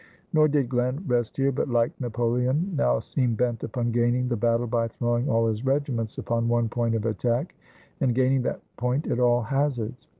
Nor did Glen rest here; but like Napoleon, now seemed bent upon gaining the battle by throwing all his regiments upon one point of attack, and gaining that point at all hazards.